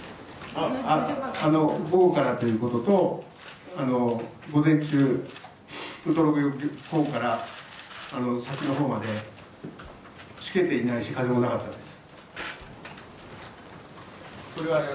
午後からということと午前中、ウトロ港から先の方までしけていないし、風もなかったです